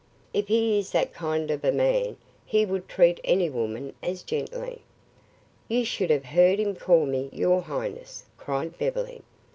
"If he is that kind of a man, he would treat any woman as gently." "You should have heard him call me 'your highness,'" cried Beverly.